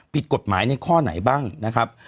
ผิดกฎหมายในข้อไหนบ้างนะครับ